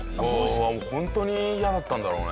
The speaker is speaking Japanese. ホントに嫌だったんだろうね。